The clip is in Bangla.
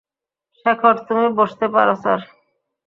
শেখর, তুমি বসতে পারো স্যার!